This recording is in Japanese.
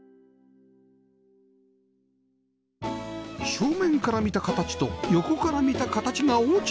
正面から見た形と横から見た形が大違い